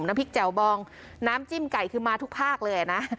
น้ำพริกแจ่วบองน้ำจิ้มไก่คือมาทุกภาคเลยนะ